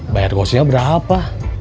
bayar kosnya berapa